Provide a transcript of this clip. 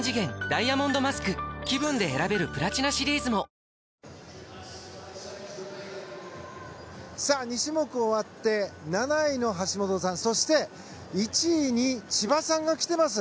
千葉健太がトータルでは２種目終わって７位の橋本さんそして１位に千葉さんが来てます。